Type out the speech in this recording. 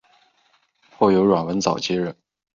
后由阮文藻接任。